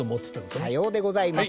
さようでございます。